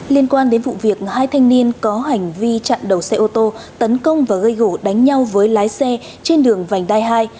liên quan đến vụ việc hai thanh niên có hành vi chặn đầu xe ô tô tấn công và gây gỗ đánh nhau với lái xe trên đường vành đai hai